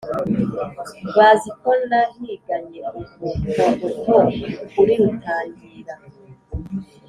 Bazi ko nahiganye umukogoto kuri Rutangira,